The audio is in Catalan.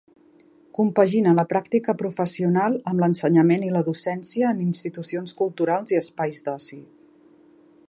Compagina la pràctica professional amb l’ensenyament i la docència en institucions culturals i espais d'oci.